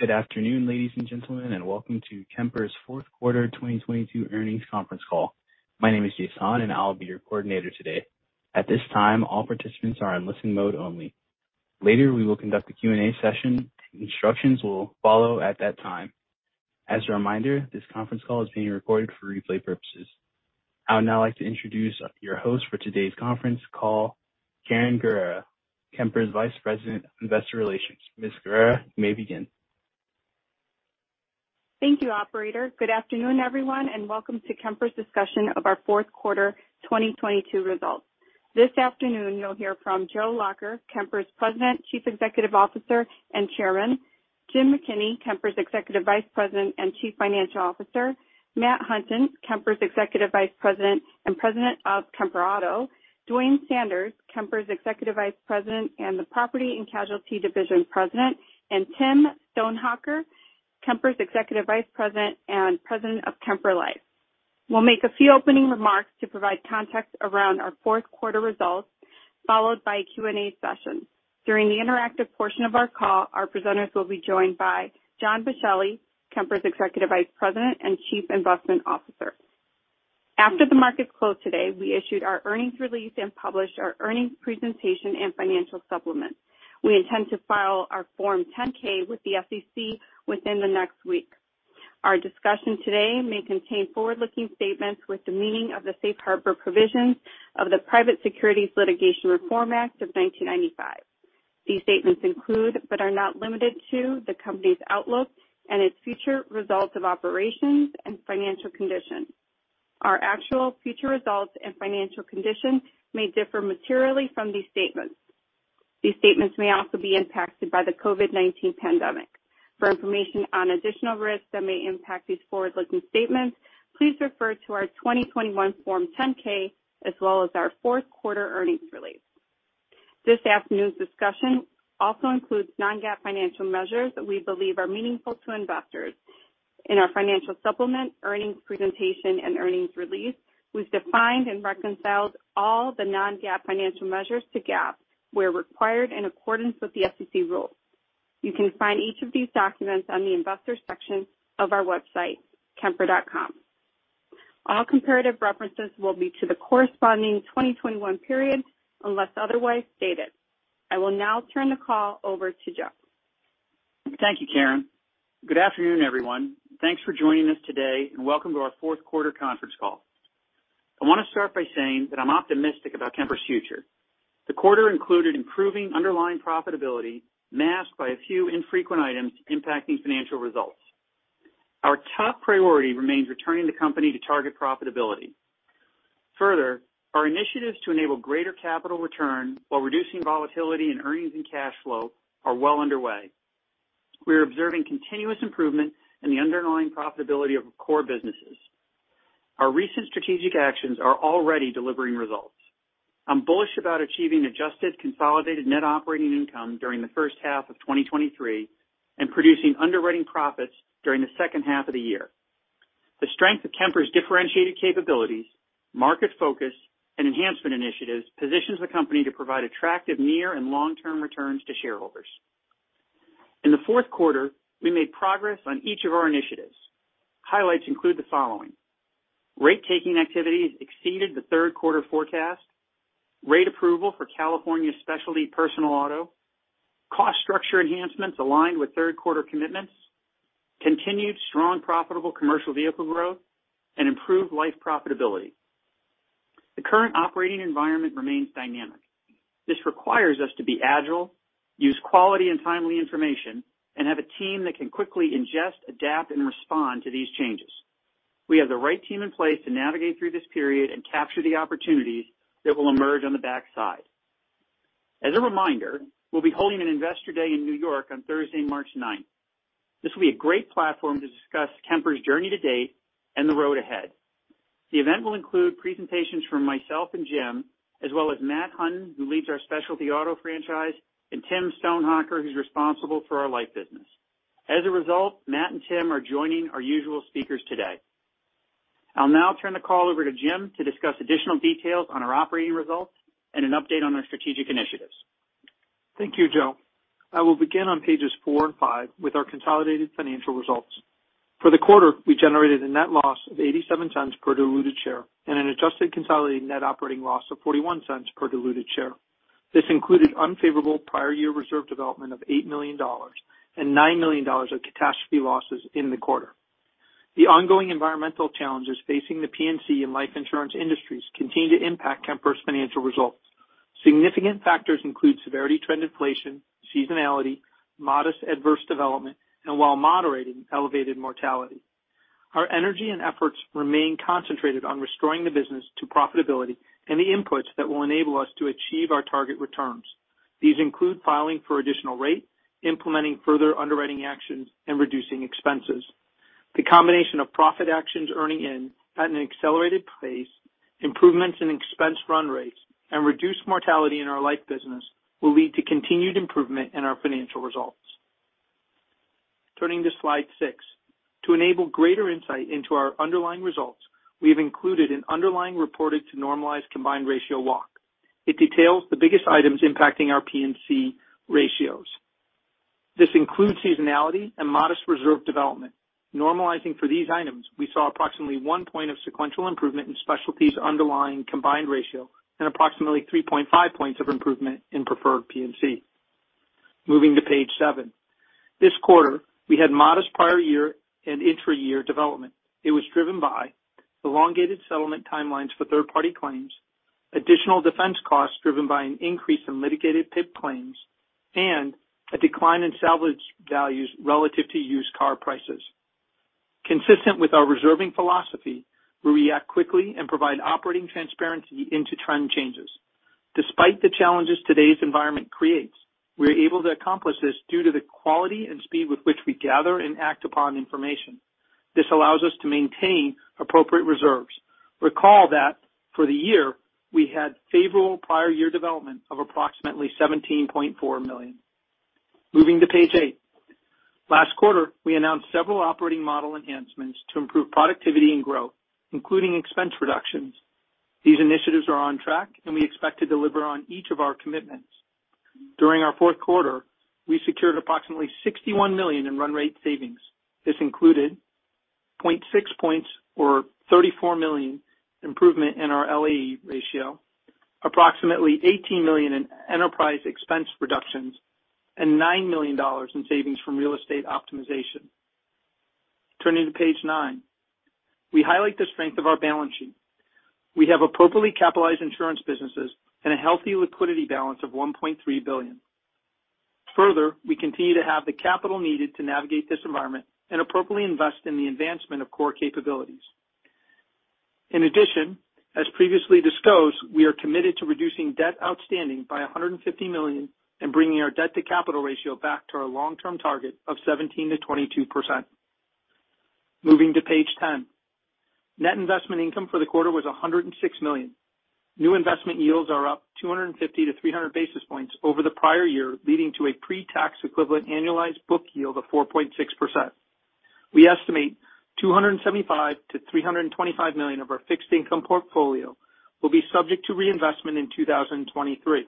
Good afternoon, ladies and gentlemen, welcome to Kemper's fourth quarter 2022 earnings conference call. My name is Jason, I'll be your coordinator today. At this time, all participants are in listen mode only. Later, we will conduct a Q&A session. Instructions will follow at that time. As a reminder, this conference call is being recorded for replay purposes. I would now like to introduce your host for today's conference call, Karen Guerra, Kemper's Vice President of Investor Relations. Ms. Guerra, you may begin. Thank you, operator. Good afternoon, everyone, and welcome to Kemper's discussion of our fourth quarter 2022 results. This afternoon, you'll hear from Joe Lacher, Kemper's President, Chief Executive Officer, and Chairman; Jim McKinney, Kemper's Executive Vice President and Chief Financial Officer; Matt Hunton, Kemper's Executive Vice President and President of Kemper Auto; Duane Sanders, Kemper's Executive Vice President and the Property and Casualty Division President; and Tim Stonehocker, Kemper's Executive Vice President and President of Kemper Life. We'll make a few opening remarks to provide context around our fourth quarter results, followed by a Q&A session. During the interactive portion of our call, our presenters will be joined by John Bisceglie, Kemper's Executive Vice President and Chief Investment Officer. After the market closed today, we issued our earnings release and published our earnings presentation and financial supplement. We intend to file our Form 10-K with the SEC within the next week. Our discussion today may contain forward-looking statements with the meaning of the safe harbor provisions of the Private Securities Litigation Reform Act of 1995. These statements include, but are not limited to, the company's outlook and its future results of operations and financial conditions. Our actual future results and financial conditions may differ materially from these statements. These statements may also be impacted by the COVID-19 pandemic. For information on additional risks that may impact these forward-looking statements, please refer to our 2021 Form 10-K as well as our fourth quarter earnings release. This afternoon's discussion also includes non-GAAP financial measures that we believe are meaningful to investors. In our financial supplement, earnings presentation, and earnings release, we've defined and reconciled all the non-GAAP financial measures to GAAP where required in accordance with the SEC rules. You can find each of these documents on the investor section of our website, kemper.com. All comparative references will be to the corresponding 2021 period unless otherwise stated. I will now turn the call over to Joe. Thank you, Karen. Good afternoon, everyone. Thanks for joining us today and welcome to our fourth quarter conference call. I want to start by saying that I'm optimistic about Kemper's future. The quarter included improving underlying profitability masked by a few infrequent items impacting financial results. Our top priority remains returning the company to target profitability. Further, our initiatives to enable greater capital return while reducing volatility in earnings and cash flow are well underway. We're observing continuous improvement in the underlying profitability of our core businesses. Our recent strategic actions are already delivering results. I'm bullish about achieving Adjusted Consolidated Net Operating Income during the first half of 2023 and producing underwriting profits during the second half of the year. The strength of Kemper's differentiated capabilities, market focus, and enhancement initiatives positions the company to provide attractive near and long-term returns to shareholders. In the fourth quarter, we made progress on each of our initiatives. Highlights include the following: rate taking activities exceeded the third quarter forecast, rate approval for California specialty personal auto, cost structure enhancements aligned with third quarter commitments, continued strong profitable commercial vehicle growth, and improved life profitability. The current operating environment remains dynamic. This requires us to be agile, use quality and timely information, and have a team that can quickly ingest, adapt, and respond to these changes. We have the right team in place to navigate through this period and capture the opportunities that will emerge on the backside. As a reminder, we'll be holding an investor day in New York on Thursday, March 9th. This will be a great platform to discuss Kemper's journey to date and the road ahead. The event will include presentations from myself and Jim, as well as Matt Hunton, who leads our specialty auto franchise, and Tim Stonehocker, who's responsible for our life business. As a result, Matt and Tim are joining our usual speakers today. I'll now turn the call over to Jim to discuss additional details on our operating results and an update on our strategic initiatives. Thank you, Joe. I will begin on pages 4 and 5 with our consolidated financial results. For the quarter, we generated a net loss of $0.87 per diluted share and an Adjusted Consolidated Net Operating Loss of $0.41 per diluted share. This included unfavorable prior year reserve development of $8 million and $9 million of catastrophe losses in the quarter. The ongoing environmental challenges facing the P&C and life insurance industries continue to impact Kemper's financial results. Significant factors include severity trend inflation, seasonality, modest adverse development, and while moderating elevated mortality. Our energy and efforts remain concentrated on restoring the business to profitability and the inputs that will enable us to achieve our target returns. These include filing for additional rate, implementing further underwriting actions, and reducing expenses. The combination of profit actions earning in at an accelerated pace, improvements in expense run rates, and reduced mortality in our life business will lead to continued improvement in our financial results. Turning to slide 6. To enable greater insight into our underlying results, we have included an underlying reported to normalized combined ratio walk. It details the biggest items impacting our P&C ratios. This includes seasonality and modest reserve development. Normalizing for these items, we saw approximately 1 point of sequential improvement in specialties underlying combined ratio and approximately 3.5 points of improvement in preferred P&C. Moving to page seven. This quarter, we had modest prior year and intra-year development. It was driven by elongated settlement timelines for third-party claims, additional defense costs driven by an increase in litigated PIP claims, and a decline in salvage values relative to used car prices. Consistent with our reserving philosophy, we react quickly and provide operating transparency into trend changes. Despite the challenges today's environment creates, we are able to accomplish this due to the quality and speed with which we gather and act upon information. This allows us to maintain appropriate reserves. Recall that for the year, we had favorable prior year development of approximately $17.4 million. Moving to page eight. Last quarter, we announced several operating model enhancements to improve productivity and growth, including expense reductions. These initiatives are on track, and we expect to deliver on each of our commitments. During our fourth quarter, we secured approximately $61 million in run rate savings. This included 0.6 points or $34 million improvement in our LAE ratio, approximately $18 million in enterprise expense reductions, and $9 million in savings from real estate optimization. Turning to page nine. We highlight the strength of our balance sheet. We have appropriately capitalized insurance businesses and a healthy liquidity balance of $1.3 billion. Further, we continue to have the capital needed to navigate this environment and appropriately invest in the advancement of core capabilities. In addition, as previously disclosed, we are committed to reducing debt outstanding by $150 million and bringing our debt-to-capital ratio back to our long-term target of 17%-22%. Moving to page 10. Net Investment Income for the quarter was $106 million. New investment yields are up 250-300 basis points over the prior year, leading to a pre-tax equivalent annualized book yield of 4.6%. We estimate $275 million-$325 million of our fixed income portfolio will be subject to reinvestment in 2023.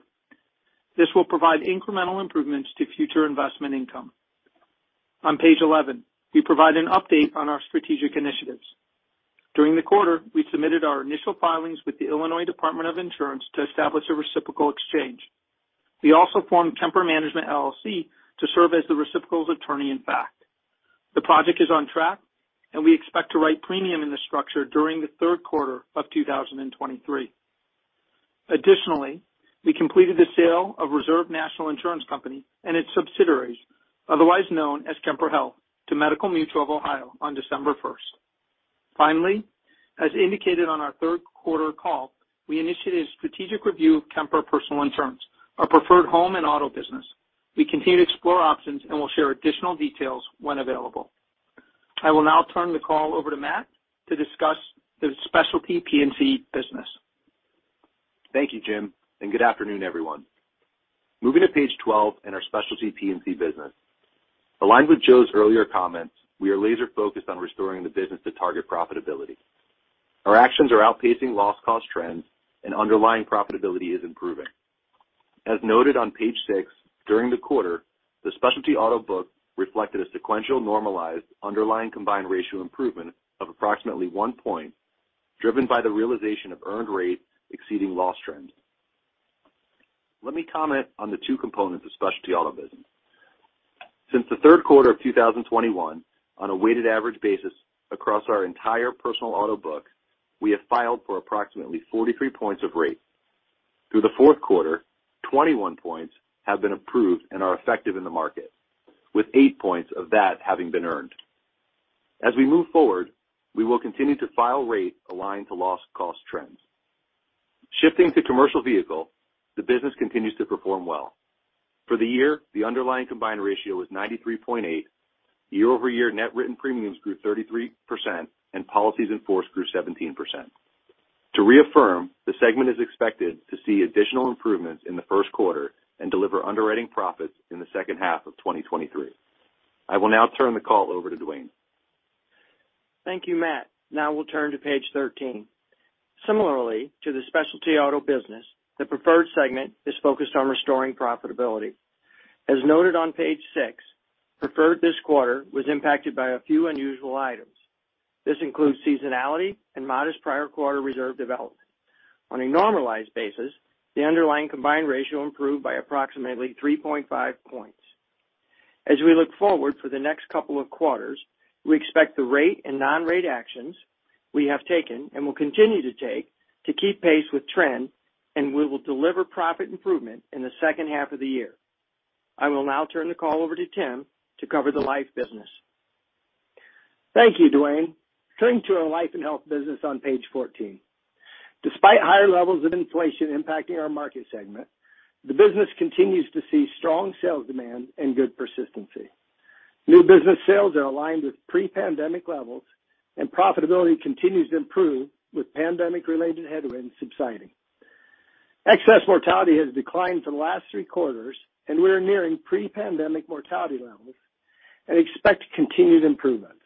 This will provide incremental improvements to future investment income. On page 11, we provide an update on our strategic initiatives. During the quarter, we submitted our initial filings with the Illinois Department of Insurance to establish a reciprocal exchange. We also formed Kemper Management LLC to serve as the reciprocal's attorney-in-fact. The project is on track, and we expect to write premium in the structure during the third quarter of 2023. Additionally, we completed the sale of Reserve National Insurance Company and its subsidiaries, otherwise known as Kemper Health, to Medical Mutual of Ohio on December 1st. Finally, as indicated on our third quarter call, we initiated a strategic review of Kemper Personal Insurance, our preferred home and auto business. We continue to explore options and will share additional details when available. I will now turn the call over to Matt to discuss the specialty P&C business. Thank you, Jim, and good afternoon, everyone. Moving to page 12 and our specialty P&C business. Aligned with Joe's earlier comments, we are laser-focused on restoring the business to target profitability. Our actions are outpacing loss cost trends and underlying profitability is improving. As noted on page six, during the quarter, the specialty auto book reflected a sequential normalized underlying combined ratio improvement of approximately 1 point, driven by the realization of earned rate exceeding loss trends. Let me comment on the two components of specialty auto business. Since the third quarter of 2021, on a weighted average basis across our entire personal auto book, we have filed for approximately 43 points of rate. Through the fourth quarter, 21 points have been approved and are effective in the market, with 8 points of that having been earned. As we move forward, we will continue to file rate aligned to loss cost trends. Shifting to commercial vehicle, the business continues to perform well. For the year, the underlying combined ratio was 93.8. Year-over-year net written premiums grew 33%, and policies in force grew 17%. To reaffirm, the segment is expected to see additional improvements in the first quarter and deliver underwriting profits in the second half of 2023. I will now turn the call over to Duane. Thank you, Matt. Now we'll turn to page 13. Similarly to the specialty auto business, the Preferred segment is focused on restoring profitability. As noted on page six, Preferred this quarter was impacted by a few unusual items. This includes seasonality and modest prior quarter reserve development. On a normalized basis, the underlying combined ratio improved by approximately 3.5 points. As we look forward for the next couple of quarters, we expect the rate and non-rate actions we have taken and will continue to take to keep pace with trend, and we will deliver profit improvement in the second half of the year. I will now turn the call over to Tim to cover the Life business. Thank you, Duane. Turning to our life and health business on page 14. Despite higher levels of inflation impacting our market segment, the business continues to see strong sales demand and good persistency. New business sales are aligned with pre-pandemic levels and profitability continues to improve with pandemic-related headwinds subsiding. Excess mortality has declined from the last three quarters, and we are nearing pre-pandemic mortality levels and expect continued improvements.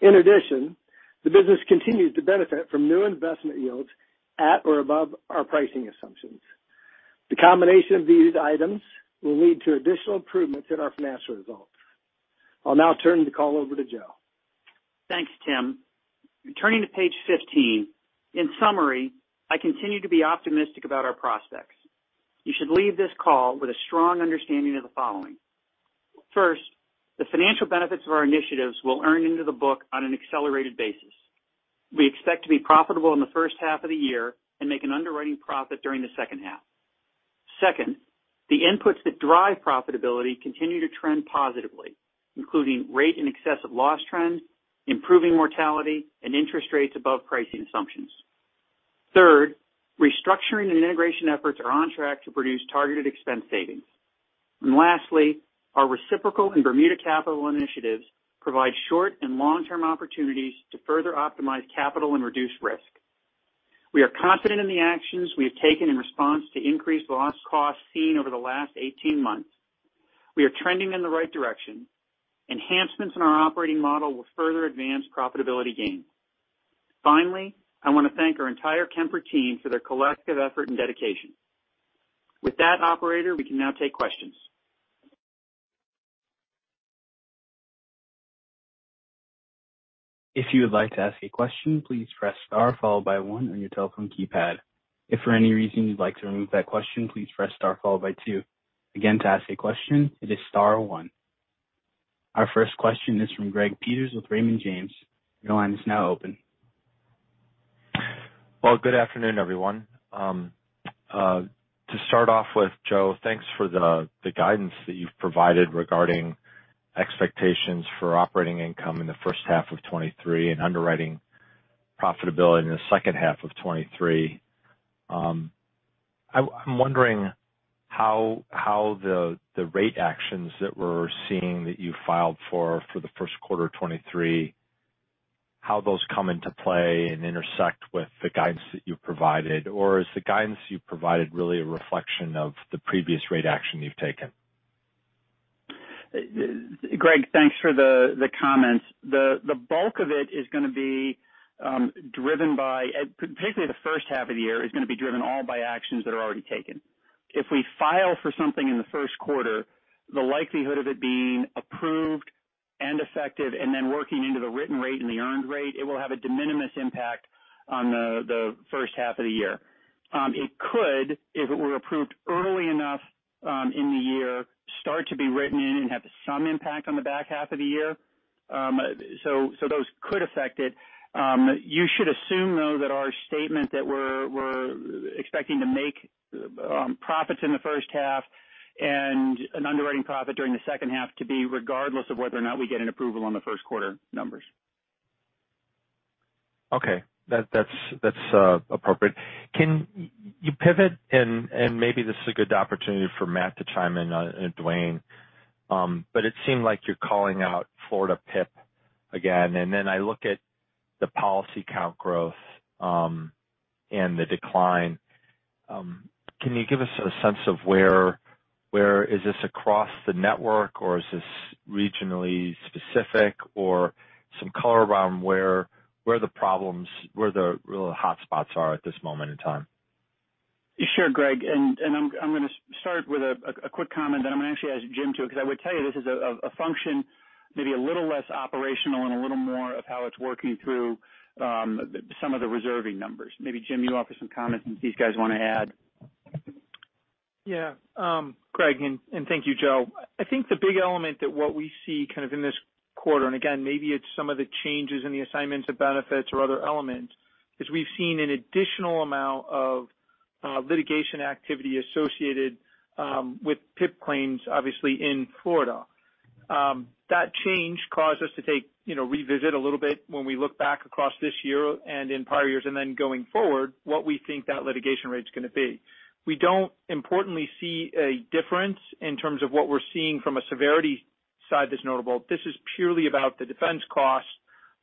The business continues to benefit from new investment yields at or above our pricing assumptions. The combination of these items will lead to additional improvements in our financial results. I'll now turn the call over to Joe. Thanks, Tim. Turning to page 15. In summary, I continue to be optimistic about our prospects. You should leave this call with a strong understanding of the following. First, the financial benefits of our initiatives will earn into the book on an accelerated basis. We expect to be profitable in the first half of the year and make an underwriting profit during the second half. Second, the inputs that drive profitability continue to trend positively, including rate and excessive loss trends, improving mortality, and interest rates above pricing assumptions. Third, restructuring and integration efforts are on track to produce targeted expense savings. Lastly, our reciprocal in Bermuda capital initiatives provide short and long-term opportunities to further optimize capital and reduce risk. We are confident in the actions we have taken in response to increased loss costs seen over the last 18 months. We are trending in the right direction. Enhancements in our operating model will further advance profitability gains. Finally, I want to thank our entire Kemper team for their collective effort and dedication. With that, operator, we can now take questions. If you would like to ask a question, please press star followed by one on your telephone keypad. If for any reason you'd like to remove that question, please press star followed by two. To ask a question, it is star one. Our first question is from Greg Peters with Raymond James. Your line is now open. Well, good afternoon, everyone. To start off with, Joe, thanks for the guidance that you've provided regarding expectations for operating income in the first half of 2023 and underwriting profitability in the second half of 2023. I'm wondering how the rate actions that we're seeing that you filed for the first quarter of 2023, how those come into play and intersect with the guidance that you've provided. Or is the guidance you've provided really a reflection of the previous rate action you've taken? Greg, thanks for the comments. The bulk of it is gonna be driven by, and particularly the first half of the year, is gonna be driven all by actions that are already taken. If we file for something in the first quarter, the likelihood of it being approved and effective and then working into the written rate and the earned rate, it will have a de minimis impact on the first half of the year. It could, if it were approved early enough, in the year, start to be written in and have some impact on the back half of the year. Those could affect it. You should assume, though, that our statement that we're expecting to make profits in the first half and an underwriting profit during the second half to be regardless of whether or not we get an approval on the first quarter numbers. Okay. That's appropriate. Can you pivot and maybe this is a good opportunity for Matt to chime in on and Duane, but it seemed like you're calling out Florida PIP again, and then I look at the policy count growth and the decline. Can you give us a sense of where is this across the network, or is this regionally specific or some color around where the problems, where the real hotspots are at this moment in time? Sure, Greg, and I'm gonna start with a quick comment, then I'm gonna actually ask Jim too, because I would tell you this is a function maybe a little less operational and a little more of how it's working through some of the reserving numbers. Maybe Jim, you offer some comment since these guys want to add. Yeah. Greg, and thank you, Joe. I think the big element that what we see kind of in this quarter, and again, maybe it's some of the changes in the assignment of benefits or other elements, is we've seen an additional amount of litigation activity associated with PIP claims, obviously in Florida. That change caused us to take, you know, revisit a little bit when we look back across this year and in prior years and then going forward, what we think that litigation rate's gonna be. We don't importantly see a difference in terms of what we're seeing from a severity side that's notable. This is purely about the defense costs,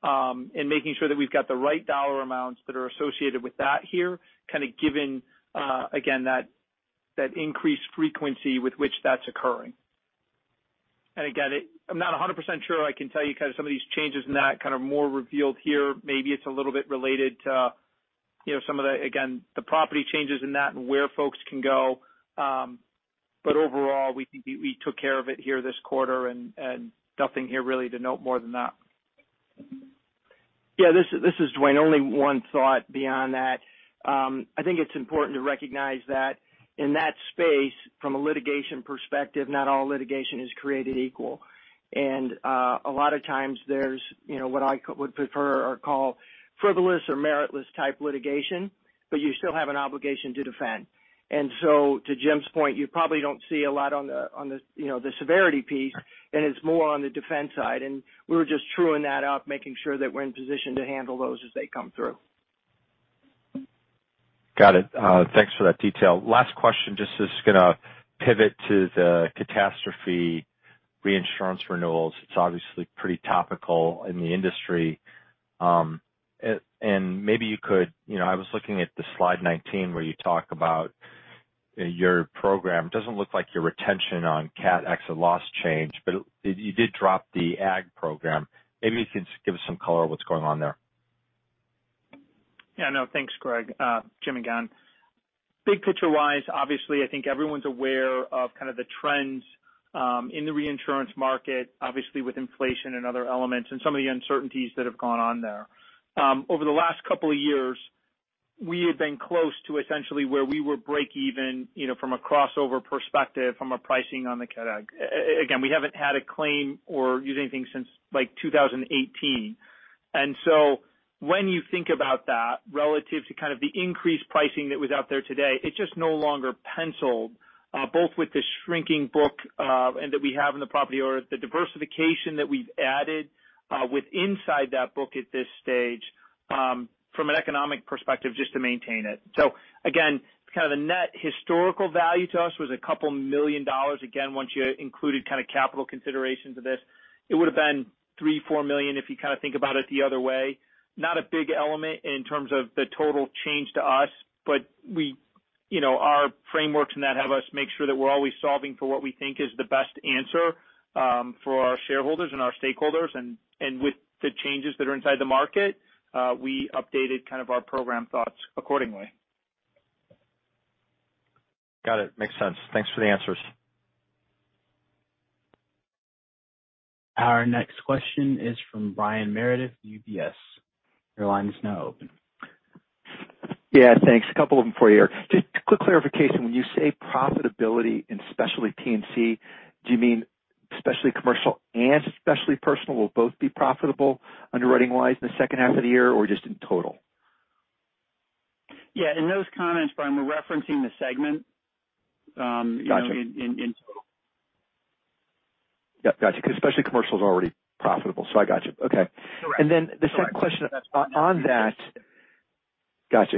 and making sure that we've got the right dollar amounts that are associated with that here, kind of given again, that increased frequency with which that's occurring. Again, I'm not 100% sure I can tell you kind of some of these changes in that, kind of more revealed here. Maybe it's a little bit related to, you know, some of the, again, the property changes in that and where folks can go. Overall, we think we took care of it here this quarter and nothing here really to note more than that. This is Dwayne. Only one thought beyond that. I think it's important to recognize that in that space, from a litigation perspective, not all litigation is created equal. A lot of times there's, you know, what I would prefer or call frivolous or meritless type litigation, but you still have an obligation to defend. To Jim's point, you probably don't see a lot on the, on the, you know, the severity piece, and it's more on the defense side. We're just truing that up, making sure that we're in position to handle those as they come through. Got it. thanks for that detail. Last question, just is gonna pivot to the catastrophe reinsurance renewals, it's obviously pretty topical in the industry. Maybe you could, you know, I was looking at the slide 19, where you talk about, your program. It doesn't look like your retention on cat XOL changed, but you did drop the ag program. Maybe you can just give us some color on what's going on there? Yeah. No. Thanks, Greg. Jim again. Big picture-wise, obviously, I think everyone's aware of kind of the trends in the reinsurance market, obviously with inflation and other elements and some of the uncertainties that have gone on there. Over the last couple of years, we have been close to essentially where we were break even, you know, from a crossover perspective from a pricing on the catastrophe aggregate. Again, we haven't had a claim or used anything since, like, 2018. When you think about that relative to kind of the increased pricing that was out there today, it just no longer penciled, both with the shrinking book, and that we have in the property or the diversification that we've added with inside that book at this stage, from an economic perspective just to maintain it. Again, it's kind of the net historical value to us was a couple million dollars. Again, once you included kind of capital considerations of this, it would've been $3 million, $4 million if you kind of think about it the other way. Not a big element in terms of the total change to us. We, you know, our frameworks in that have us make sure that we're always solving for what we think is the best answer, for our shareholders and our stakeholders. With the changes that are inside the market, we updated kind of our program thoughts accordingly. Got it. Makes sense. Thanks for the answers. Our next question is from Brian Meredith, UBS. Your line is now open. Yeah. Thanks. A couple of them for you here. Just quick clarification. When you say profitability in Specialty P&C, do you mean Specialty Commercial and Specialty Personal will both be profitable underwriting-wise in the second half of the year or just in total? Yeah. In those comments, Brian, we're referencing the segment, you know. Gotcha in total. Yep. Gotcha. 'Cause Specialty Commercial's already profitable, so I gotcha. Okay. Correct. The second question on that Gotcha.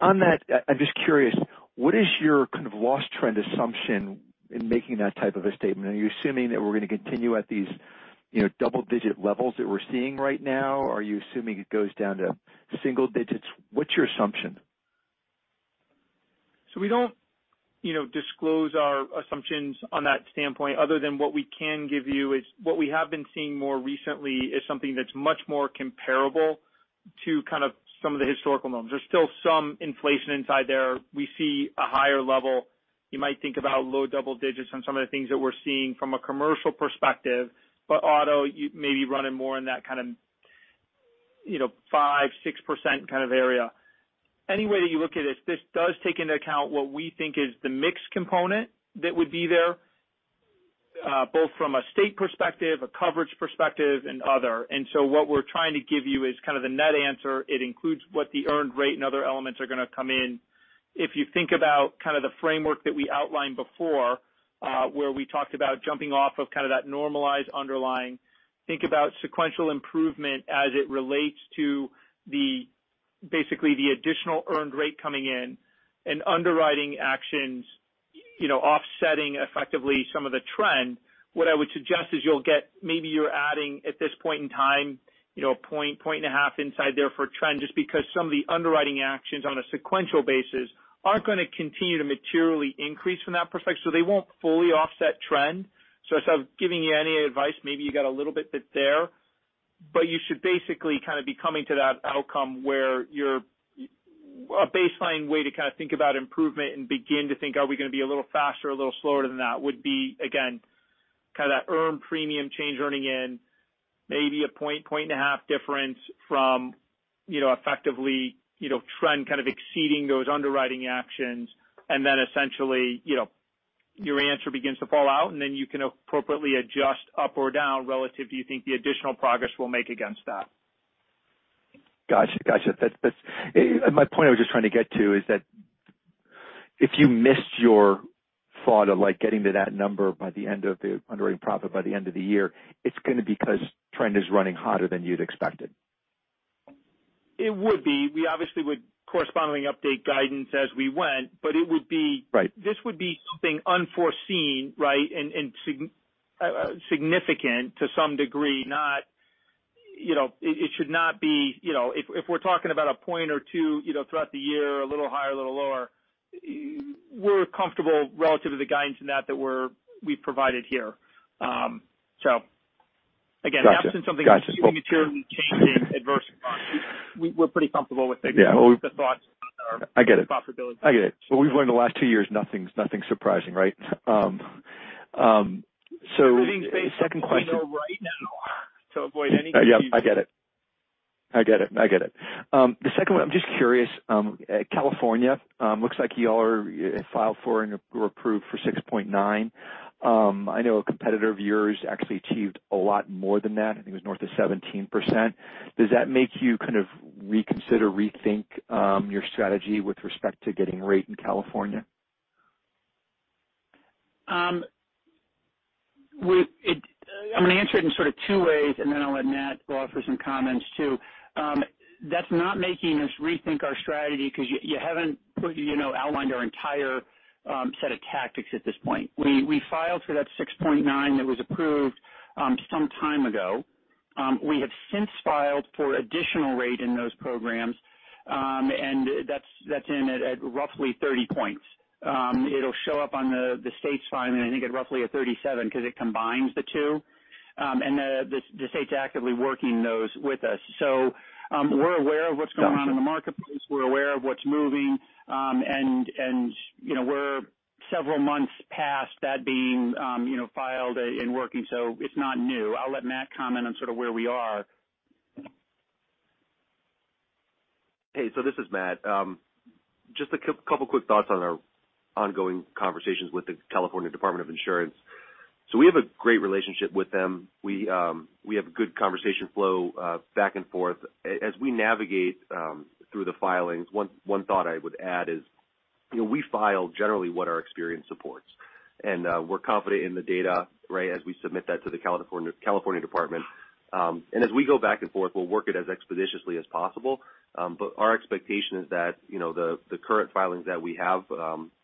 On that, I'm just curious, what is your kind of loss trend assumption in making that type of a statement? Are you assuming that we're gonna continue at these, you know, double-digit levels that we're seeing right now? Are you assuming it goes down to single digits? What's your assumption? We don't, you know, disclose our assumptions on that standpoint other than what we can give you is what we have been seeing more recently is something that's much more comparable to kind of some of the historical norms. There's still some inflation inside there. We see a higher level. You might think about low double digits on some of the things that we're seeing from a commercial perspective. Auto, you may be running more in that kind of, you know, 5%, 6% kind of area. Any way that you look at this does take into account what we think is the mix component that would be there, both from a state perspective, a coverage perspective, and other. What we're trying to give you is kind of the net answer. It includes what the earned rate and other elements are gonna come in. If you think about kind of the framework that we outlined before, where we talked about jumping off of kind of that normalized underlying, think about sequential improvement as it relates to the, basically the additional earned rate coming in and underwriting actions, you know, offsetting effectively some of the trend. What I would suggest is maybe you're adding, at this point in time, you know, a point and a half inside there for trend, just because some of the underwriting actions on a sequential basis aren't gonna continue to materially increase from that perspective. They won't fully offset trend. If I'm giving you any advice, maybe you got a little bit there. You should basically kind of be coming to that outcome where you're. A baseline way to kind of think about improvement and begin to think, are we gonna be a little faster or a little slower than that would be, again, kind of that earned premium change earning in maybe a point, 1.5 difference from, you know, effectively, you know, trend kind of exceeding those underwriting actions. Essentially, you know, your answer begins to fall out, and then you can appropriately adjust up or down relative to you think the additional progress will make against that. Gotcha. Gotcha. That's my point I was just trying to get to is that if you missed your thought of, like, getting to that number by the end of the underwriting profit by the end of the year, it's gonna be because trend is running hotter than you'd expected. It would be. We obviously would correspondingly update guidance as we went, but it would be. Right. This would be something unforeseen, right? Significant to some degree, not, you know. It should not be, you know, if we're talking about a point or two, you know, throughout the year, a little higher, a little lower, we're comfortable relative to the guidance in that we're, we've provided here. Gotcha. Absent something significantly materially changing adverse response, we're pretty comfortable the thoughts or profitability. I get it. Well, we've learned the last two years, nothing's surprising, right? Everything's based on what we know right now to avoid any confusion. I get it. The second one, I'm just curious. California looks like you all are filed for and were approved for 6.9. I know a competitor of yours actually achieved a lot more than that. I think it was north of 17%. Does that make you kind of reconsider, rethink your strategy with respect to getting rate in California? I'm gonna answer it in sort of two ways, and then I'll let Matt go off for some comments too. That's not making us rethink our strategy because you haven't put, you know, outlined our entire set of tactics at this point. We filed for that 6.9 that was approved some time ago. We have since filed for additional rate in those programs, and that's in at roughly 30 points. It'll show up on the state's filing, I think, at roughly a 37 because it combines the two. The state's actively working those with us. We're aware of what's going on in the marketplace, we're aware of what's moving, and, you know, we're several months past that being, you know, filed and working, so it's not new. I'll let Matt comment on sort of where we are. Hey, this is Matt. Just a couple of quick thoughts on our ongoing conversations with the California Department of Insurance. We have a great relationship with them. We have good conversation flow back and forth. As we navigate through the filings, one thought I would add is, you know, we file generally what our experience supports. We're confident in the data, right, as we submit that to the California Department. As we go back and forth, we'll work it as expeditiously as possible. Our expectation is that, you know, the current filings that we have,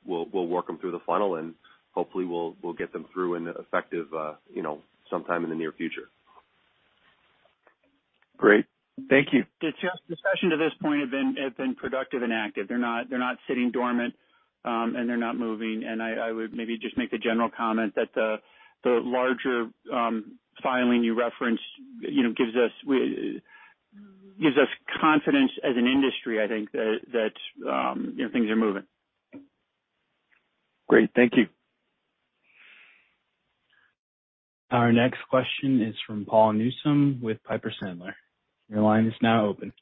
we'll work them through the funnel, and hopefully we'll get them through and effective, you know, sometime in the near future. Great. Thank you. The discussion to this point has been productive and active. They're not sitting dormant, and they're not moving. I would maybe just make the general comment that the larger filing you referenced, you know, gives us confidence as an industry, I think, that, you know, things are moving. Great. Thank you. Our next question is from Paul Newsome with Piper Sandler. Your line is now open.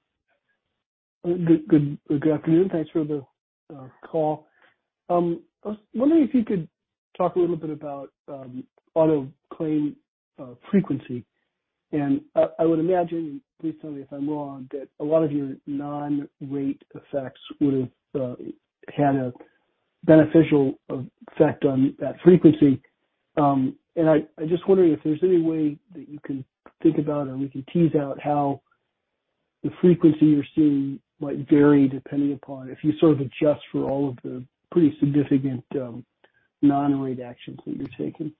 Good afternoon. Thanks for the call. I was wondering if you could talk a little bit about auto claim frequency. I would imagine, please tell me if I'm wrong, that a lot of your non-rate effects would've had a beneficial effect on that frequency. I just wondering if there's any way that you can think about, or we can tease out how the frequency you're seeing might vary depending upon if you sort of adjust for all of the pretty significant non-rate actions that you're taking.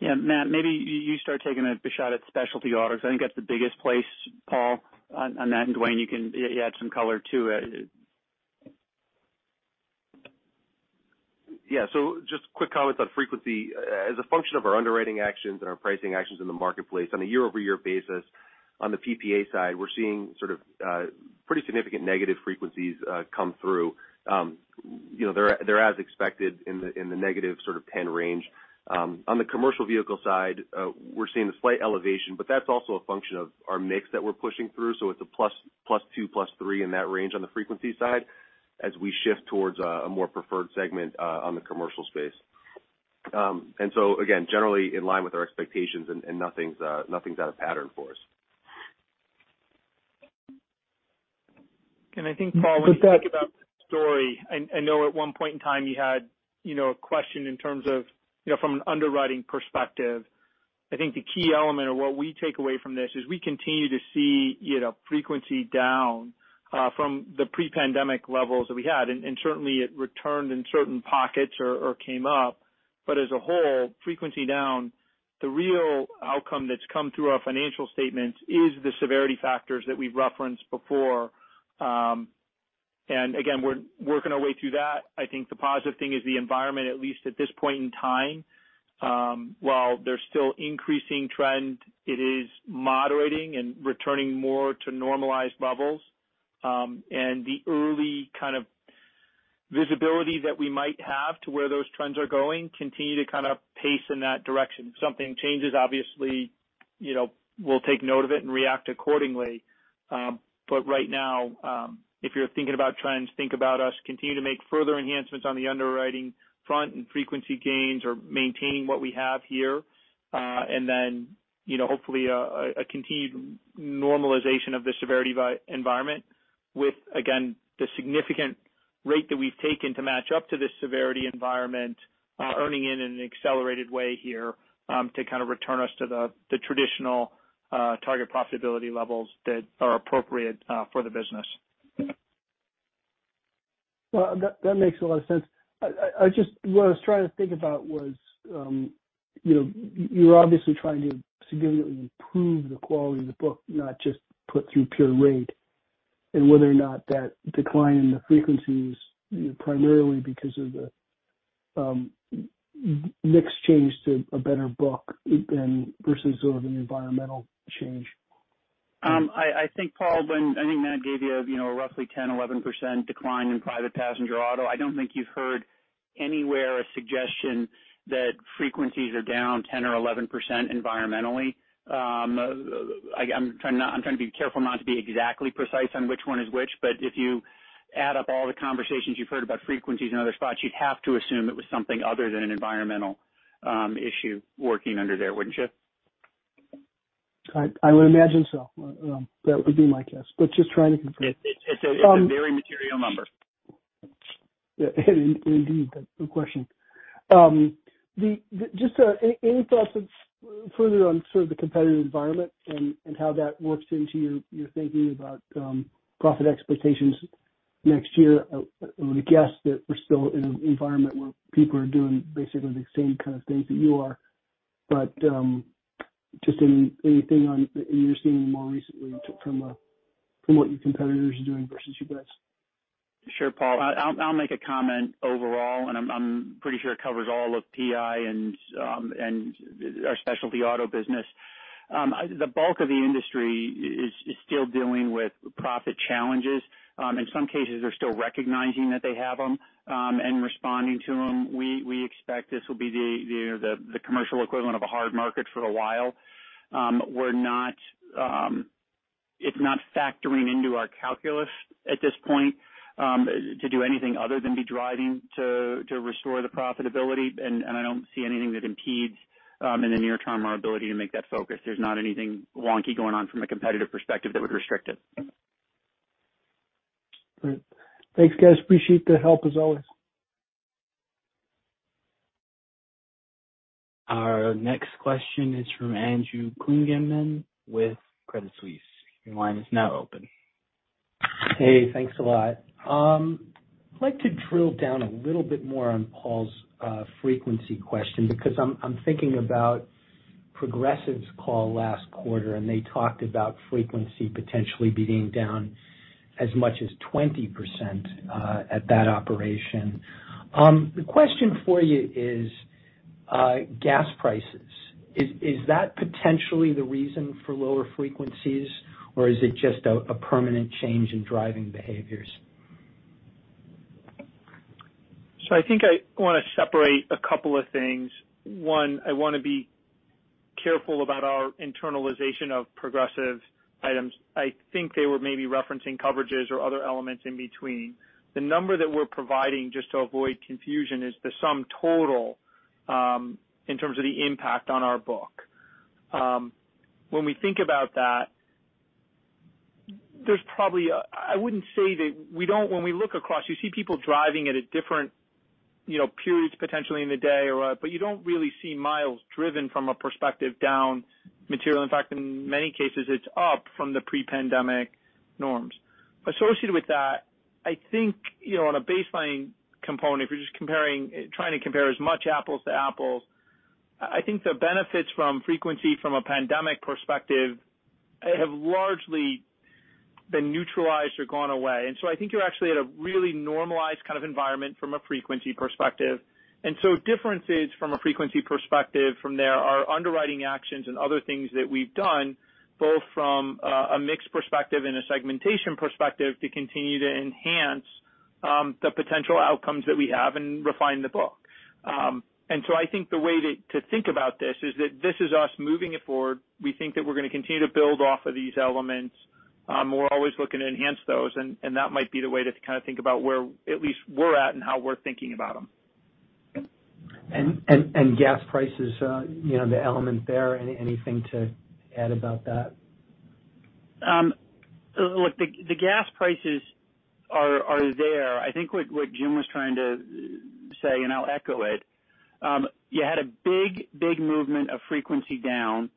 Yeah. Matt, maybe you start taking a shot at specialty autos. I think that's the biggest place, Paul, on that. Dwayne, you can add some color to it. Yeah. Just quick comments on frequency. As a function of our underwriting actions and our pricing actions in the marketplace on a year-over-year basis, on the PPA side, we're seeing sort of pretty significant negative frequencies come through. You know, they're as expected in the negative sort of 10 range. On the commercial vehicle side, we're seeing a slight elevation, but that's also a function of our mix that we're pushing through. It's a plus, +2, +3 in that range on the frequency side as we shift towards a more preferred segment on the commercial space. Again, generally in line with our expectations and nothing's out of pattern for us. I think, Paul, when you think about the story, I know at one point in time you had, you know, a question in terms of, you know, from an underwriting perspective. I think the key element of what we take away from this is we continue to see, you know, frequency down from the pre-pandemic levels that we had. Certainly it returned in certain pockets or came up. As a whole, frequency down, the real outcome that's come through our financial statements is the severity factors that we've referenced before. Again, we're working our way through that. I think the positive thing is the environment, at least at this point in time, while there's still increasing trend, it is moderating and returning more to normalized levels. The early kind of visibility that we might have to where those trends are going continue to kind of pace in that direction. If something changes, obviously, you know, we'll take note of it and react accordingly. Right now, if you're thinking about trends, think about us continue to make further enhancements on the underwriting front, frequency gains or maintaining what we have here. Then, you know, hopefully a continued normalization of the severity environment with, again, the significant rate that we've taken to match up to this severity environment, earning in an accelerated way here, to kind of return us to the traditional target profitability levels that are appropriate for the business. Well, that makes a lot of sense. I just what I was trying to think about was, you know, you're obviously trying to significantly improve the quality of the book, not just put through pure rate, and whether or not that decline in the frequency is primarily because of the mix change to a better book than versus sort of an environmental change. I think, Paul, I think Matt gave you know, a roughly 10%, 11% decline in private passenger auto. I don't think you've heard anywhere a suggestion that frequencies are down 10% or 11% environmentally. I'm trying to be careful not to be exactly precise on which one is which, but if you add up all the conversations you've heard about frequencies in other spots, you'd have to assume it was something other than an environmental issue working under there, wouldn't you? I would imagine so. That would be my guess, but just trying to confirm. Yes. Very material number. Yeah, indeed. No question. Just any thoughts of further on sort of the competitive environment and how that works into your thinking about profit expectations next year? I would guess that we're still in an environment where people are doing basically the same kind of things that you are, just any, anything on you're seeing more recently from what your competitors are doing versus you guys? Sure, Paul. I'll make a comment overall, and I'm pretty sure it covers all of PI and our specialty auto business. The bulk of the industry is still dealing with profit challenges. In some cases, they're still recognizing that they have them and responding to them. We expect this will be the commercial equivalent of a hard market for a while. It's not factoring into our calculus at this point to do anything other than be driving to restore the profitability. I don't see anything that impedes in the near term, our ability to make that focus. There's not anything wonky going on from a competitive perspective that would restrict it. Great. Thanks, guys. Appreciate the help as always. Our next question is from Andrew Kligerman with Credit Suisse. Your line is now open. Hey, thanks a lot. I'd like to drill down a little bit more on Paul's frequency question because I'm thinking about Progressive's call last quarter, and they talked about frequency potentially being down as much as 20% at that operation. The question for you is, gas prices. Is that potentially the reason for lower frequencies, or is it just a permanent change in driving behaviors? I think I wanna separate a couple of things. One, I wanna be careful about our internalization of Progressive items. I think they were maybe referencing coverages or other elements in between. The number that we're providing, just to avoid confusion, is the sum total in terms of the impact on our book. When we think about that, there's probably a, I wouldn't say that we don't, when we look across, you see people driving at a different, you know, periods potentially in the day or, but you don't really see miles driven from a perspective down material. In fact, in many cases, it's up from the pre-pandemic norms. Associated with that, I think, you know, on a baseline component, if you're just comparing, trying to compare as much apples to apples, I think the benefits from frequency from a pandemic perspective have largely been neutralized or gone away. I think you're actually at a really normalized kind of environment from a frequency perspective. Differences from a frequency perspective from there are underwriting actions and other things that we've done, both from a mixed perspective and a segmentation perspective, to continue to enhance the potential outcomes that we have and refine the book. I think the way to think about this is that this is us moving it forward. We think that we're gonna continue to build off of these elements. We're always looking to enhance those, and that might be the way to kind of think about where at least we're at and how we're thinking about them. Gas prices, you know, the element there, anything to add about that? Look, the gas prices are there. I think what Jim was trying to say, and I'll echo it, you had a big, big movement of frequency down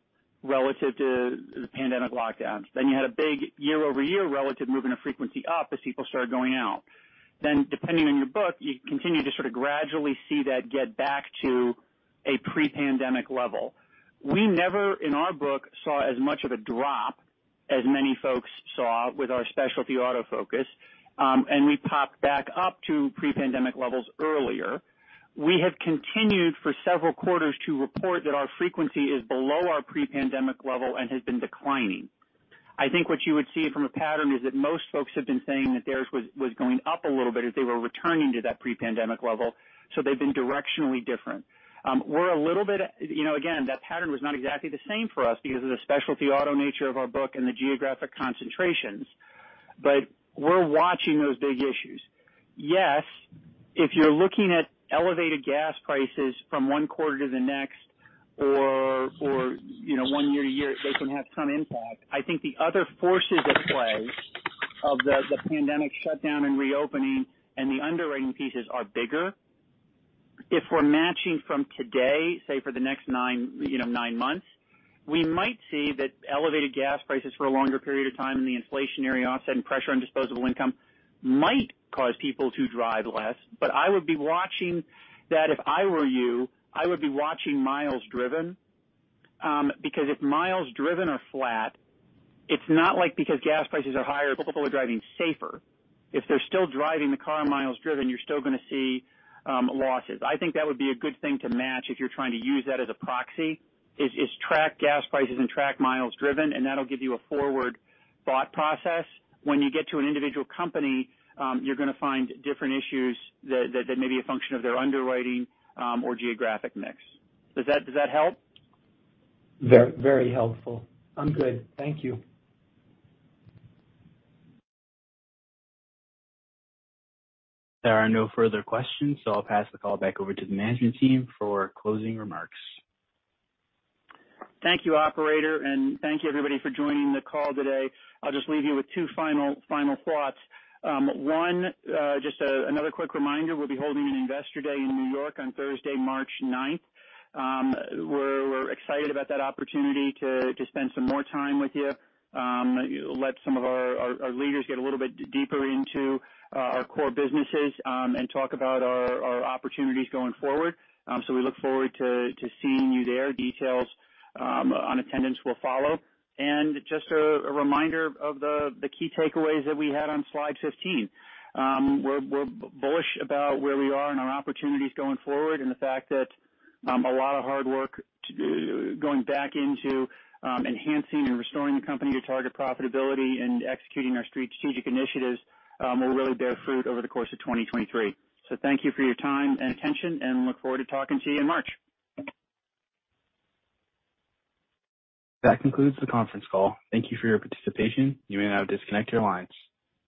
relative to the pandemic lockdowns. You had a big year-over-year relative movement of frequency up as people started going out. Depending on your book, you continue to sort of gradually see that get back to a pre-pandemic level. We never, in our book, saw as much of a drop as many folks saw with our specialty auto focus, and we popped back up to pre-pandemic levels earlier. We have continued for several quarters to report that our frequency is below our pre-pandemic level and has been declining. I think what you would see from a pattern is that most folks have been saying that theirs was going up a little bit as they were returning to that pre-pandemic level, so they've been directionally different. We're a little bit, you know, again, that pattern was not exactly the same for us because of the specialty auto nature of our book and the geographic concentrations, but we're watching those big issues. Yes, if you're looking at elevated gas prices from one quarter to the next or, you know, one year to year, they can have some impact. I think the other forces at play of the pandemic shutdown and reopening and the underwriting pieces are bigger. If we're matching from today, say for the next nine, you know, nine months, we might see that elevated gas prices for a longer period of time and the inflationary offset and pressure on disposable income might cause people to drive less. I would be watching that if I were you, I would be watching miles driven, because if miles driven are flat, it's not like because gas prices are higher, people are driving safer. If they're still driving the car miles driven, you're still gonna see losses. I think that would be a good thing to match if you're trying to use that as a proxy, is track gas prices and track miles driven, and that'll give you a forward thought process. When you get to an individual company, you're gonna find different issues that may be a function of their underwriting, or geographic mix. Does that help? Very helpful. I'm good. Thank you. There are no further questions, so I'll pass the call back over to the management team for closing remarks. Thank you, operator, thank you everybody for joining the call today. I'll just leave you with two final thoughts. One, just another quick reminder, we'll be holding an investor day in New York on Thursday, March ninth. We're excited about that opportunity to spend some more time with you, let some of our leaders get a little bit deeper into our core businesses, and talk about our opportunities going forward. We look forward to seeing you there. Details on attendance will follow. Just a reminder of the key takeaways that we had on slide 15. We're bullish about where we are and our opportunities going forward and the fact that a lot of hard work going back into enhancing and restoring the company to target profitability and executing our strategic initiatives will really bear fruit over the course of 2023. Thank you for your time and attention, and look forward to talking to you in March. That concludes the conference call. Thank you for your participation. You may now disconnect your lines.